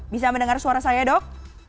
bisa mendengar suara saya dok